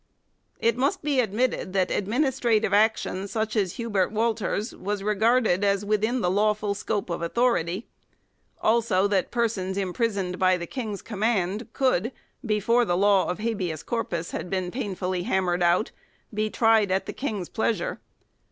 It must be admitted that administrative action such as Hubert Walter's was regarded as within the lawful scope of authority ; also that persons imprisoned by the King's command could, before the law of "habeas corpus " had been painfully hammered out, be tried at the King's pleasure.